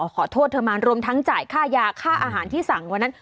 ขอโทษเธอมารวมทั้งจ่ายค่ายาค่าอาหารที่สั่งวันนั้น